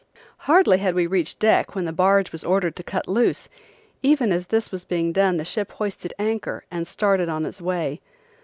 Hardly had we reached deck when the barge was ordered to cut loose; even as this was being done the ship hoisted anchor and started on its way.